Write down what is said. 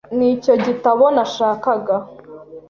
Nicyo gitabo nashakaga.